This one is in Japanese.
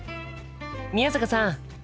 宮坂さん！